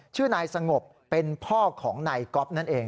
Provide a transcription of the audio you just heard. ชื่อนายสงบเป็นพ่อของนายก๊อฟนั่นเอง